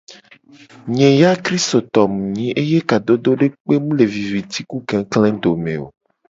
Nye ya kristoto mu nyi eye kadodo dekpe mu le viviti ku kekle dome o.